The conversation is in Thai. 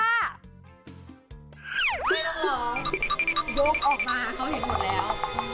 ใช่แล้วเหรอยกออกมาเขาเห็นหมดแล้ว